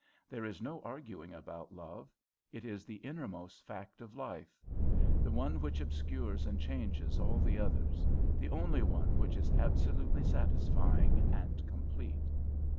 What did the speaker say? There is no arguing about love. It is the innermost fact of life, the one which obscures and changes all the others, the only one which is absolutely satisfying and complete.